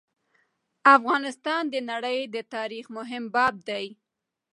افغانستان د نړی د تاریخ مهم باب دی.